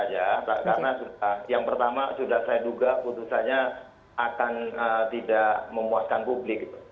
ya karena yang pertama sudah saya duga putusannya akan tidak memuaskan publik